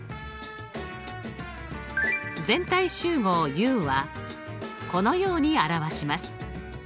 全体集合Ｕはこのように表します。